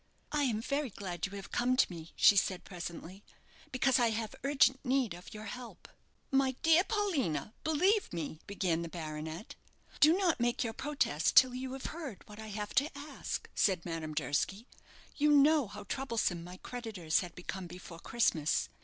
"I am very glad you have come to me," she said, presently, "because I have urgent need of your help." "My dear Paulina, believe me " began the baronet "Do not make your protest till you have heard what I have to ask," said Madame Durski. "You know how troublesome my creditors had become before Christmas.